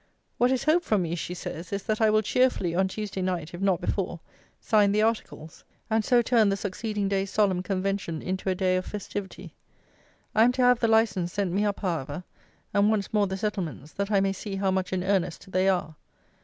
What is hoped from me, she says, is, that I will cheerfully, on Tuesday night, if not before, sign the articles; and so turn the succeeding day's solemn convention into a day of festivity. I am to have the license sent me up, however, and once more the settlements, that I may see how much in earnest they are.